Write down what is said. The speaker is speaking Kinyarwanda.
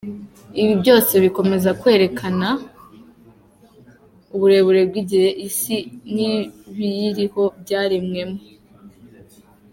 Ibi byose bikomeza kwerekana uburebure bw’ igihe Isi n’ibiyiriho byaremwemo.